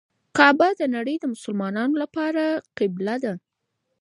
کعبه د نړۍ د مسلمانانو لپاره قبله ده.